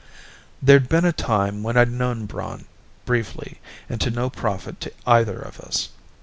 There'd been a time when I'd known Braun, briefly and to no profit to either of us.